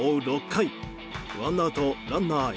６回ワンアウトランナー